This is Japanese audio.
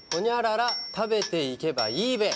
「○○食べていけばいいべ！」